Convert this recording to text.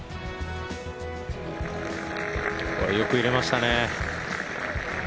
よく入れましたね。